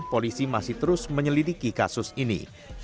polisi masih terus menyelidiki kasus ini